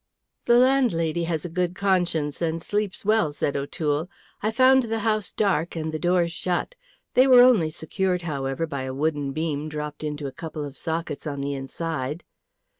"The landlady has a good conscience and sleeps well," said O'Toole. "I found the house dark and the doors shut. They were only secured, however, by a wooden beam dropped into a couple of sockets on the inside."